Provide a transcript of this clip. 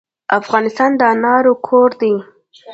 افغانستان د انارو کور دی.